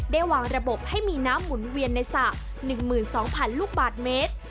วางระบบให้มีน้ำหมุนเวียนในสระ๑๒๐๐๐ลูกบาทเมตร